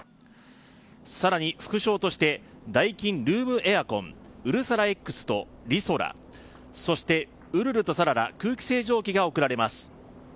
更に副賞としてダイキンルームエアコンうるさらＸとｒｉｓｏｒａそして、うるるとさらら空気清浄機が贈られます。